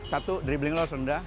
satu dribbling lo harus rendah